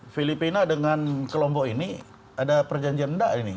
filipina dengan kelompok ini ada perjanjian enggak ini